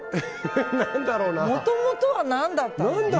もともとは何だったの？